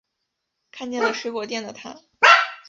看见了水果店的她